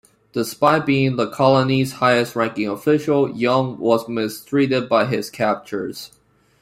Despite being the colony's highest-ranking official, Young was mistreated by his captors.